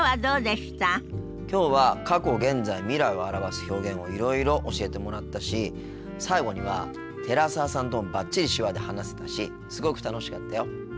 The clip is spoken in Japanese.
きょうは過去現在未来を表す表現をいろいろ教えてもらったし最後には寺澤さんともバッチリ手話で話せたしすごく楽しかったよ。